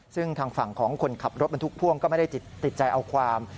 ซึ่งทางฝั่งของคนขับรถบรรทุกพ่วงก็ไม่ได้ติดใจเอาความ